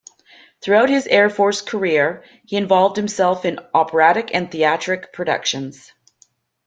Throughout his air force career, he involved himself in operatic and theatric productions.